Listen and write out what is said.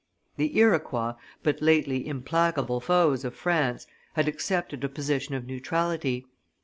The Iroquois, but lately implacable foes of France, had accepted a position of neutrality.